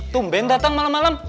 tumben datang malem malem